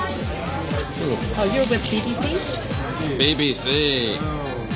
ＢＢＣ！